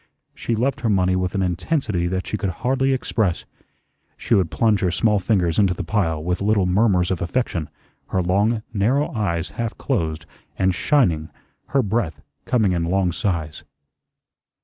She loved her money with an intensity that she could hardly express. She would plunge her small fingers into the pile with little murmurs of affection, her long, narrow eyes half closed and shining, her breath coming in long sighs.